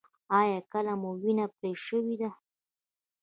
ایا کله مو وینه پرې شوې ده؟